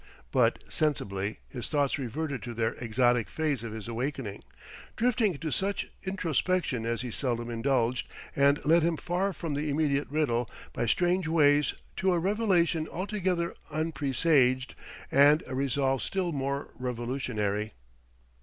But insensibly his thoughts reverted to their exotic phase of his awakening, drifting into such introspection as he seldom indulged, and led him far from the immediate riddle, by strange ways to a revelation altogether unpresaged and a resolve still more revolutionary.